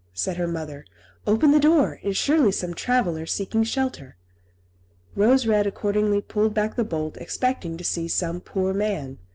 said her mother; "open the door; it is surely some traveller seeking shelter." Rose Red accordingly pulled back the bolt, expecting to see some poor man.